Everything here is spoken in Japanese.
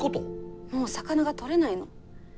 もう魚が取れないの。